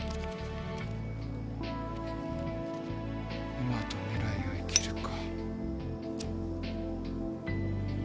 今と未来を生きるか。